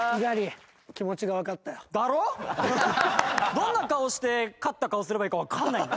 どんな顔して勝った顔すればいいかわかんないんだ。